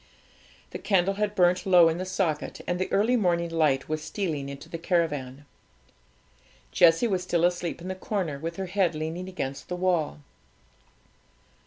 The candle had burnt low in the socket, and the early morning light was stealing into the caravan. Jessie was still asleep in the corner, with her head leaning against the wall.